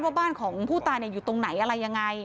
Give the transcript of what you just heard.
ว่าบ้านของผู้ตายอยู่ตรงไหนอะไรยังไง